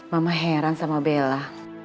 mama heran sama bella